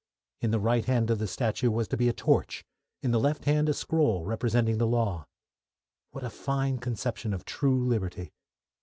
In the right hand of the statue was to be a torch; in the left hand, a scroll representing the law. What a fine conception of true liberty!